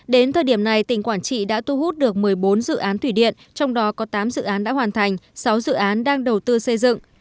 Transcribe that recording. đến thời điểm này tỉnh quảng trị đã tu hút được một mươi bốn dự án thủy điện trong đó có tám dự án đã hoàn thành sáu dự án đang đầu tư xây dựng